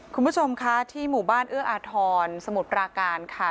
คุณผู้ชมคะที่หมู่บ้านเอื้ออาทรสมุทรปราการค่ะ